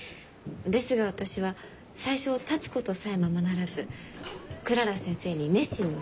ですが私は最初立つことさえままならずクララ先生に熱心に教えていただいて。